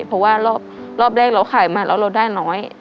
เพราะว่ารอบแรกเราขายมาแล้วเราได้น้อย